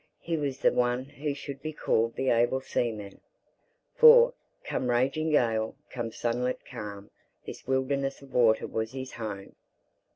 He was the one who should be called the able seaman. For, come raging gale, come sunlit calm, this wilderness of water was his home.